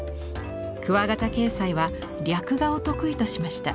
鍬形斎は略画を得意としました。